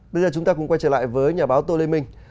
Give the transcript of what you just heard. bây giờ chúng ta cũng quay trở lại với nhà báo tô lê minh